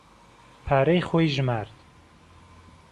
پارەی خۆی ژمارد.